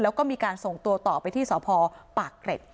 แล้วก็มีการส่งตัวต่อไปที่สพปากเกร็ด